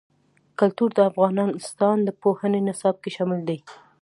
کلتور د افغانستان د پوهنې نصاب کې شامل دي.